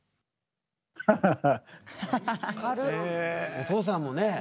お父さんもね